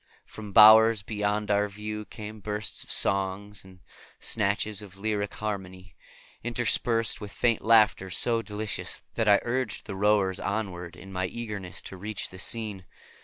From bowers beyond our view came bursts of song and snatches of lyric harmony, interspersed with faint laughter so delicious that I urged the rowers onward in my eagerness to reach the scene.